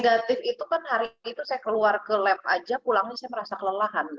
negatif itu kan hari itu saya keluar ke lab aja pulangnya saya merasa kelelahan